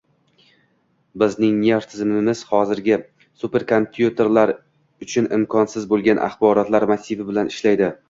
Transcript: bizning nerv tizimimiz hozirgi superkompyuterlar uchun imkonsiz bo‘lgan axborotlar massivi bilan ishlaydi.